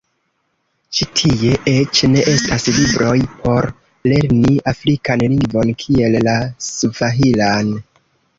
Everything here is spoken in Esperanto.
Ĉi tie eĉ ne estas libroj por lerni afrikan lingvon kiel la Svahilan.